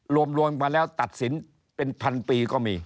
รวมมาแล้วตัดสินเป็นพันปีก็มี